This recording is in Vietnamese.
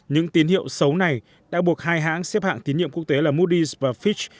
những tín hiệu xấu này đã buộc hai hãng xếp hạng tín nhiệm quốc tế là moody s và fitch